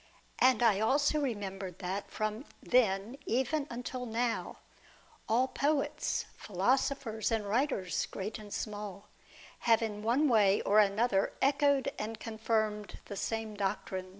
And I also remembered that from then even until now, all poets, philosophers, and writers, great and small, have in one way or another echoed and confirmed the same doctrines.